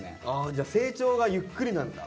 じゃあ成長がゆっくりなんだ。